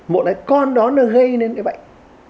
một là con đó nó gây nên cái bệnh